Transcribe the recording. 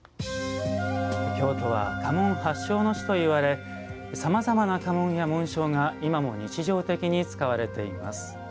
京都は家紋発祥の地ともいわれさまざまな家紋や紋章が今も日常的に使われています。